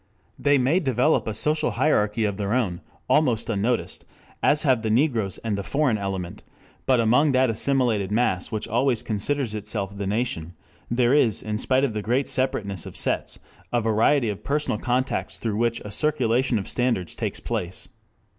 They may develop a social hierarchy of their own, almost unnoticed, as have the Negroes and the "foreign element," but among that assimilated mass which always considers itself the "nation," there is in spite of the great separateness of sets, a variety of personal contacts through which a circulation of standards takes place.